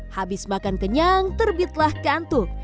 habis makan kenyang terbitlah kantuk